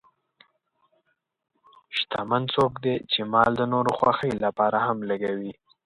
شتمن څوک دی چې مال د نورو خوښۍ لپاره هم لګوي.